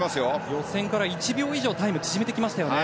予選から１秒以上タイムを縮めてきましたね。